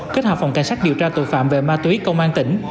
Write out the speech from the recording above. kết hợp phòng cảnh sát điều tra tội phạm về ma túy công an tỉnh